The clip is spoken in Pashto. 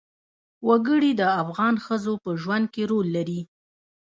وګړي د افغان ښځو په ژوند کې رول لري.